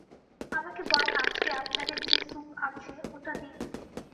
আমাকে বরং আজকে আপনাদের যে স্যুপ আছে ওটা দিন।